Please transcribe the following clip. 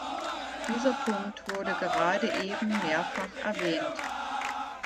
Dieser Punkt wurde gerade eben mehrfach erwähnt.